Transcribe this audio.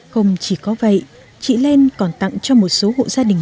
không chỉ có vậy chị lên còn tặng cho một số hộ gia đình